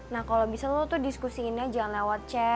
nah kalau bisa lo tuh diskusiinnya jangan lewat chat